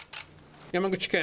山口県